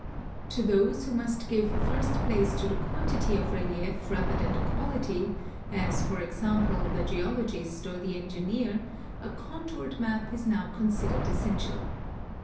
* To those who must give first place to the quantity of relief rather than the quality, as, for example, the geologist or the engineer, a contoured map is now considered essential.